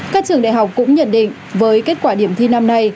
các trường đại học cũng nhận định với kết quả điểm thi năm nay